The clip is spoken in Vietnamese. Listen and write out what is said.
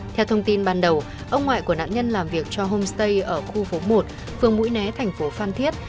theo thông tin ban đầu ông ngoại của nạn nhân làm việc cho homestay ở khu phố một phường mũi né thành phố phan thiết